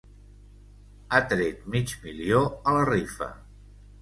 Ha tret mig milió a la rifa.